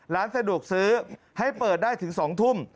ร้านสะดวกซื้อให้เปิดได้ถึง๒ทุ่ม